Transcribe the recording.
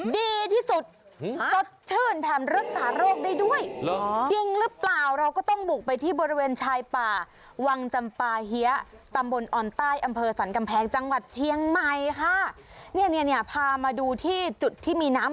ดีที่สุดสดชื่นทำรักษาโรคได้ด้วยหรอจริงหรือเปล่าเราก็ต้องบุกไปที่บริเวณชายป่า